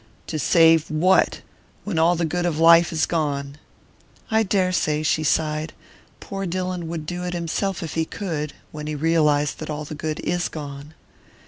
"To save what? When all the good of life is gone?" "I daresay," she sighed, "poor Dillon would do it himself if he could when he realizes that all the good is gone."